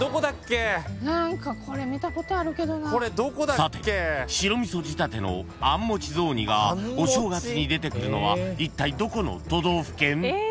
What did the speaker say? ［さて白味噌仕立てのあん餅雑煮がお正月に出てくるのはいったいどこの都道府県？］